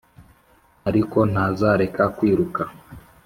ariko ntazareka kwiruka.